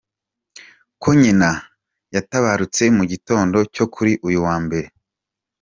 ko nyina yatabarutse mu gitondo cyo kuri uyu wa Mbere.